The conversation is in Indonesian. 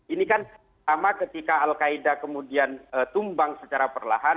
ini kan sama ketika al qaeda kemudian tumbang secara perlahan